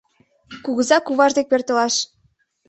Кугыза куваж дек пӧртылаш